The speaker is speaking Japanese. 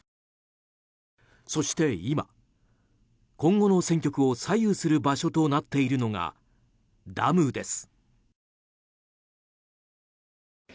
そして今今後の戦局を左右する場所となっているのがダムです。